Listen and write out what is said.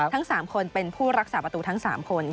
ทั้ง๓คนเป็นผู้รักษาประตูทั้ง๓คน